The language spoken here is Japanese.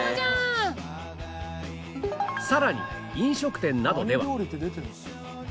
さらに飲食店などでは